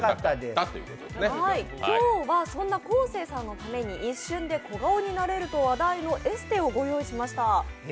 今日はそんな昴生さんのために一瞬で小顔になれると話題のエステをご用意しました。